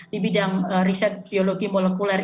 di bidang riset geologi molekuler